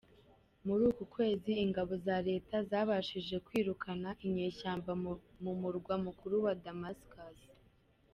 Muri uku kwezi, ingabo za leta zabashije kwirukana inyeshyamba mu murwa mukuru Damascus.